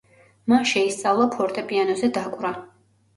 მან შეისწავლა ფორტეპიანოზე დაკვრა.